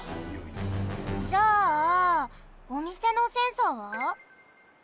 じゃあおみせのセンサーは？